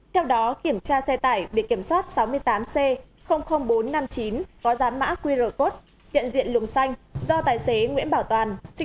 theo đó kiểm tra xe tải bị kiểm soát sáu mươi tám c bốn trăm năm mươi chín có giám mã qr code tiện diện luồng xanh do tài xế nguyễn bảo toàn